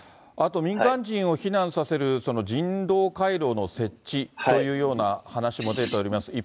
あと民間人を避難させる人道回廊の設置というような話も出ております。